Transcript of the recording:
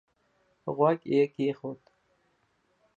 غوږ يې کېښود.